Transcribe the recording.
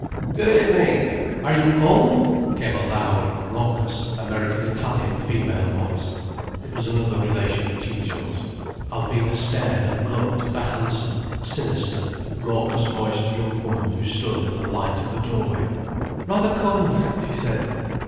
"Good evening! Are you cold?" came a loud, raucous, American Italian female voice. It was another relation of Ciccio's. Alvina stared and looked at the handsome, sinister, raucous voiced young woman who stood in the light of the doorway. "Rather cold," she said.